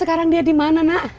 sekarang dia dimana nak